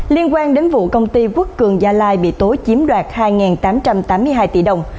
liên quan đến vụ công ty quốc cường gia lai bị tố chiếm đoạt hai tám trăm tám mươi hai tỷ đồng